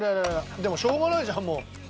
でもしょうがないじゃんもう。